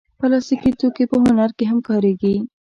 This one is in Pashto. پلاستيکي توکي په هنر کې هم کارېږي.